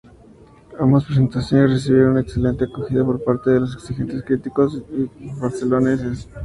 Ambas presentaciones recibieron una excelente acogida por parte de los exigentes críticos barceloneses.